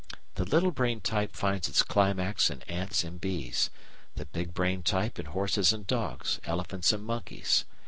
The "little brain" type finds its climax in ants and bees; the "big brain" type in horses and dogs, elephants and monkeys.